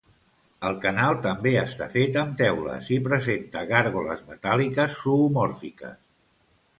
El canal també està fet amb teules i presenta gàrgoles metàl·liques zoomòrfiques.